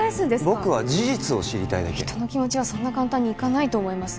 僕は事実を知りたいだけ人の気持ちはそんな簡単にいかないと思います